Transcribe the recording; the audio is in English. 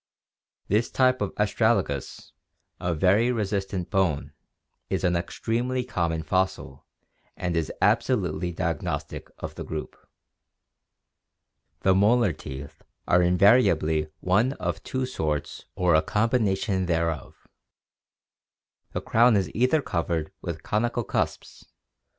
This type of astragalus, a very resistant bone, is an extremely common fossil and is absolutely diagnostic of the group. The molar teeth are invariably one of two sorts or a combination 625 626 ORGANIC EVOLUTION thereof. The crown is either covered with conical cusps (bunodont, Gr.